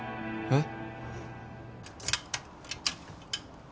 えっ？